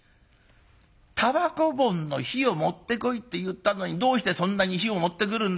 たばこ盆の火を持ってこいって言ったのにどうしてそんなに火を持ってくるんだよ。